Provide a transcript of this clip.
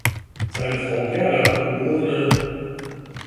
Seine Frau Gerda, geb.